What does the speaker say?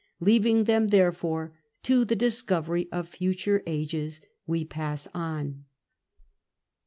... Leaving them therefore to the discovery of future ages, we pass on.